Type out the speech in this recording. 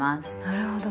なるほど。